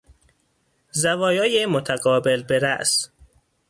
زوایای متقابل برأس